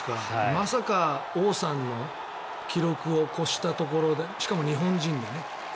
まさか王さんの記録を超したところでしかも日本人でね。